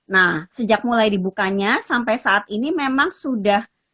nah sejak mulai dibukanya sampai saat ini memang sudah